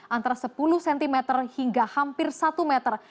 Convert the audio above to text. antara sepuluh cm hingga hampir satu meter